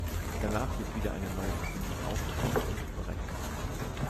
Danach wird wieder eine neue Verbindung aufgebaut und berechnet.